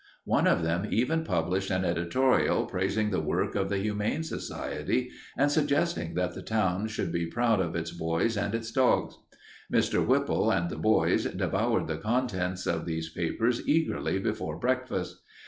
One of them even published an editorial praising the work of the Humane Society and suggesting that the town should be proud of its boys and its dogs. Mr. Whipple and the boys devoured the contents of these papers eagerly before breakfast.